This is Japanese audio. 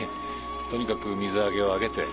とにかく水揚げを上げて。